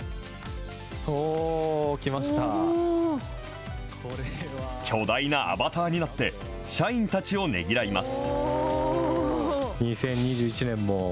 おー、巨大なアバターになって、社員たちをねぎらいます。